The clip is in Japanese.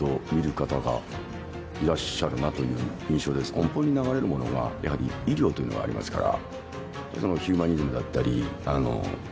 根本に流れるものがやはり医療というのがありますから。